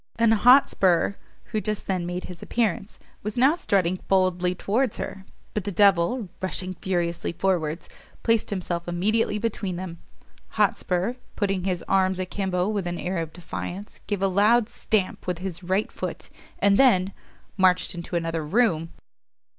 An Hotspur, who just then made his appearance, was now strutting boldly towards her; but the devil, rushing furiously forwards, placed himself immediately between them. Hotspur, putting his arms a kimbo with an air of defiance, gave a loud stamp with his right foot, and then marched into another room!